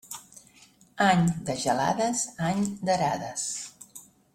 Any de gelades, any d'erades.